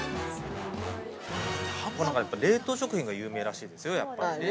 ◆冷凍食品が有名らしいですよ、やっぱり。